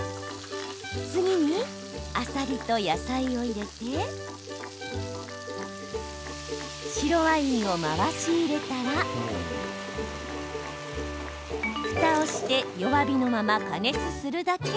次に、あさりと野菜を入れて白ワインを回し入れたらふたをして弱火のまま加熱するだけ！